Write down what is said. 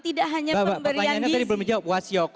tidak hanya pemberian gizi